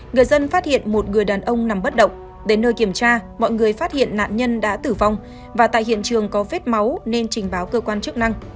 người dân phát hiện một người đàn ông nằm bất động đến nơi kiểm tra mọi người phát hiện nạn nhân đã tử vong và tại hiện trường có vết máu nên trình báo cơ quan chức năng